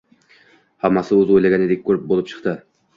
Hammasi o`zi o`ylaganidek bo`lib chiqdi